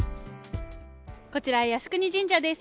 こちら靖国神社です。